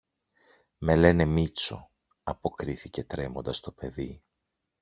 Με λένε Μήτσο, αποκρίθηκε τρέμοντας το παιδί